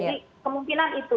jadi kemungkinan itu